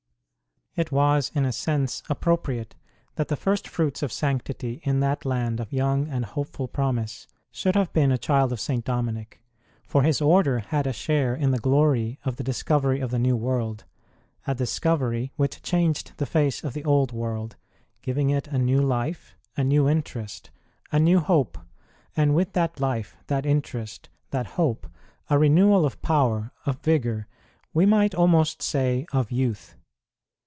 It was in a sense appropriate that the firstfruits of 1 Cant. viii. 7. INTRODUCTION II sanctity in that land of young and hopeful promise should have been a child of St. Dominic, for his Order had a share in the glory of the discovery of the New World a discovery which changed the face of the Old World, giving it a new life, a new interest, a new hope, and with that life, that interest, that hope, a renewal of power, of vigour, we might almost say of youth.